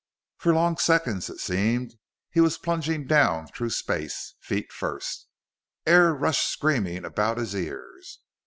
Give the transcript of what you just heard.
For long seconds, it seemed, he was plunging down through space, feet first. Air rushed screaming about his ears.